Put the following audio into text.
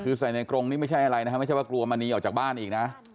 คือใส่ในกรงนี่ไม่ใช่อะไรนะฮะไม่ใช่ว่ากลัวมณีออกจากบ้านอีกนะ